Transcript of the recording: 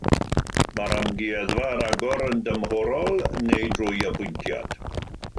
Mae'r amgueddfa ar agor yn dymhorol, neu drwy apwyntiad.